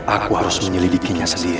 aku harus menyelidikinya sendiri